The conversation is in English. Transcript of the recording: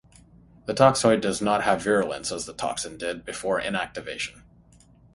The toxoid does not have virulence as the toxin did before inactivation.